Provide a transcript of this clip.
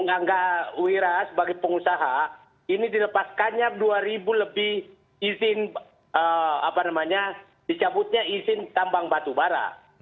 angga wiras sebagai pengusaha ini dilepaskannya rp dua lebih izin apa namanya dicabutnya izin tambang batu bara